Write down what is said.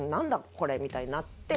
これみたいになって。